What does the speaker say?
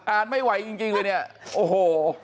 ไม่ไหวจริงเลยเนี่ยโอ้โห